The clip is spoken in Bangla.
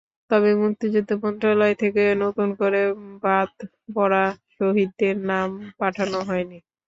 তবে মুক্তিযুদ্ধ মন্ত্রণালয় থেকে নতুন করে বাদপড়া শহীদদের নাম পাঠানো হয়নি।